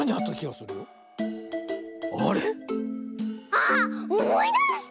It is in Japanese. あっおもいだした！